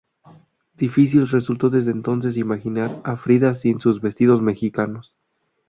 Difícil resultó desde entonces imaginar a Frida sin sus vestidos mexicanos.